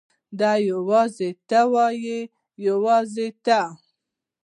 دا یوازې ته وې یوازې ته.